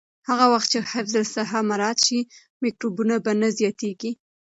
هغه وخت چې حفظ الصحه مراعت شي، میکروبونه به نه زیاتېږي.